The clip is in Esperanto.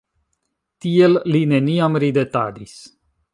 Tiel li neniam ridetadis.